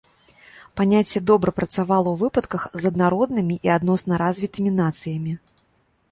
Паняцце добра працавала у выпадках з аднароднымі і адносна развітымі нацыямі.